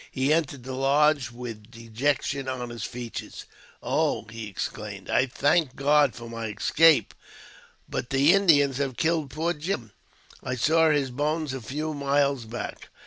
He entered the lodge with dejection on his features. "Oh?" he exclaimed, I thank God for my escape, but the Indians have killed poor Jim. I saw his bones a few miles back.